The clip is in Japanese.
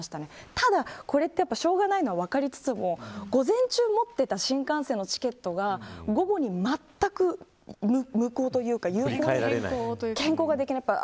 ただこれってやっぱりしょうがないのは分かりつつも午前中持っていた新幹線のチケットが午後に、まったく無効というか変更ができない。